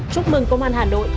chúc mừng công an hà nội